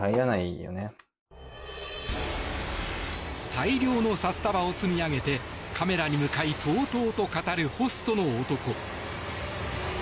大量の札束を積み上げてカメラに向かいとうとうと語るホストの男。